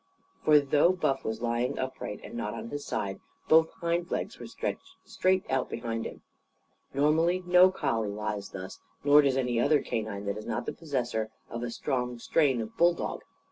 For, though Buff was lying upright and not on his side, both hind legs were stretched straight out behind him. Normally no collie lies thus, nor does any other canine that is not the possessor of a strong strain of bulldog.